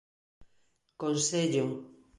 Consello